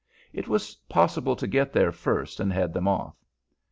It was possible to get there first and head them off.